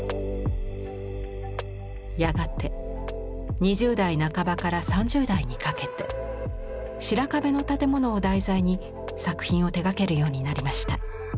やがて２０代半ばから３０代にかけて白壁の建物を題材に作品を手がけるようになりました。